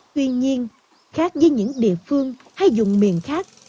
tuy nhiên khác với những địa phương hay dùng miền khác